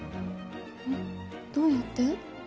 えっどうやって？